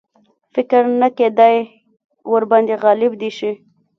فکر نه کېدی ورباندي غالب دي شي.